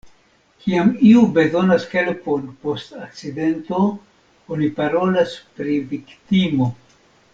Kiam iu bezonas helpon post akcidento, oni parolas pri viktimo.